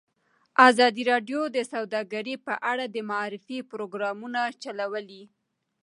ازادي راډیو د سوداګري په اړه د معارفې پروګرامونه چلولي.